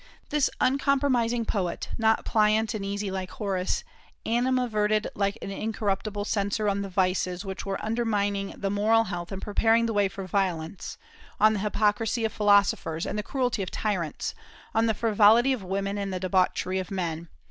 This uncompromising poet, not pliant and easy like Horace, animadverted like an incorruptible censor on the vices which were undermining the moral health and preparing the way for violence; on the hypocrisy of philosophers and the cruelty of tyrants; on the frivolity of women and the debauchery of men.